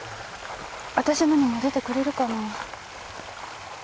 私のにも出てくれるかな？